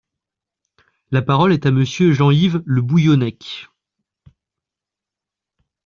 La parole est à Monsieur Jean-Yves Le Bouillonnec.